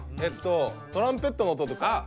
えっとトランペットの音とか。